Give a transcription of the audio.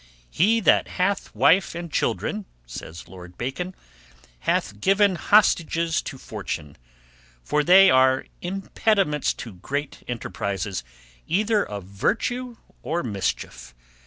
"He that hath wife and children," says Lord Bacon, "hath given hostages to fortune; for they are impediments to great enterprises, either of virtue or mischief.